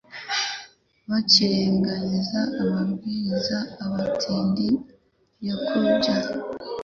bakirengagiza abarwayi n'abatindi nyakujya,